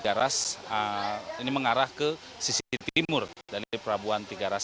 ini mengarah ke sisi timur dari pelabuhan tiga ras